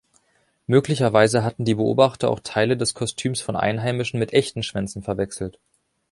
Möglicherweise hatten die Beobachter auch Teile des Kostüms von Einheimischen mit echten Schwänzen verwechselt.